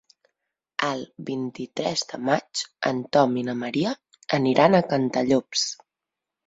El vint-i-tres de maig en Tom i na Maria aniran a Cantallops.